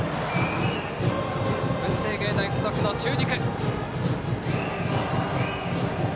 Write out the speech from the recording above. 文星芸大付属の中軸。